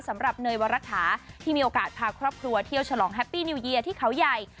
เนยวรฐาที่มีโอกาสพาครอบครัวเที่ยวฉลองแฮปปี้นิวเยียร์ที่เขาใหญ่